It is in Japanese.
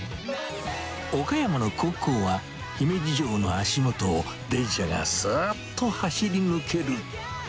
岡山の高校は、姫路城の足元を電車がすーっと走り抜ける。